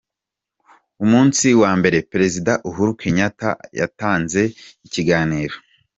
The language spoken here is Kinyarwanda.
Umunsi wa mbere Perezida Uhuru Kenyatta yatanze ikiganiro.